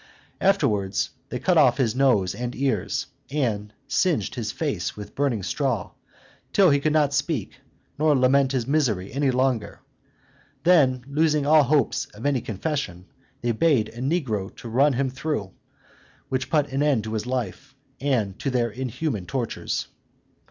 Afterwards they cut off his nose and ears, and singed his face with burning straw, till he could not speak, nor lament his misery any longer: then, losing all hopes of any confession, they bade a negro to run him through, which put an end to his life, and to their inhuman tortures.